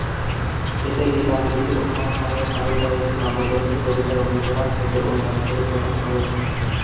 এতে "গীতাঞ্জলি" ও সমসাময়িক আরও কয়েকটি কাব্যগ্রন্থের কবিতা রবীন্দ্রনাথ নিজে অনুবাদ করে প্রকাশ করেন।